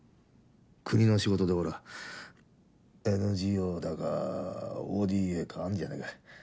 国の仕事でほらＮＧＯだかＯＤＡだかあるじゃねえか。